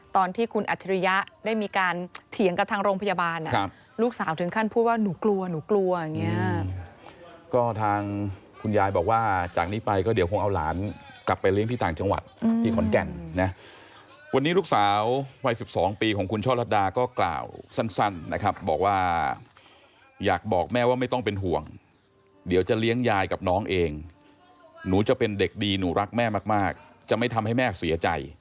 ตอนที่คุณอัจฉริยะได้มีการเถียงกับทางโรงพยาบาลลูกสาวถึงขั้นพูดว่าหนูกลัวหนูกลัวอย่างเงี้ยก็ทางคุณยายบอกว่าจากนี้ไปก็เดี๋ยวคงเอาหลานกลับไปเลี้ยงที่ต่างจังหวัดที่ขนแก้นนะวันนี้ลูกสาววัย๑๒ปีของคุณช่อลัดดาก็กล่าวสั้นนะครับบอกว่าอยากบอกแม่ว่าไม่ต้องเป็นห่วงเดี๋ยวจะเลี้